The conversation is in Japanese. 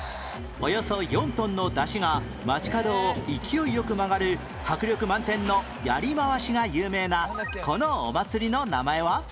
およそ４トンの山車が街角を勢いよく曲がる迫力満点のやり回しが有名なこのお祭りの名前は？